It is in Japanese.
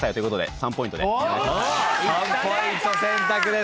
３ポイント選択です。